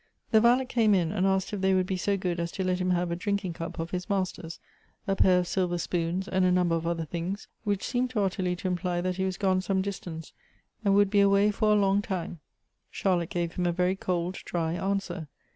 The valet came in, and asked if they would be so good as to let him have a drinking cup of his master's, a pair of silver spoons, and a number of other things, which seemed to Ottilie to imply that he was gone some dis tance, and would be away for a long time. Charlotte gave him a very cold dry answer.